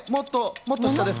もっと下です。